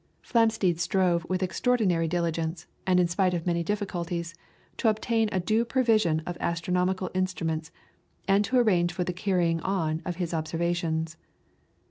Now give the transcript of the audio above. Flamsteed strove with extraordinary diligence, and in spite of many difficulties, to obtain a due provision of astronomical instruments, and to arrange for the carrying on of his observations.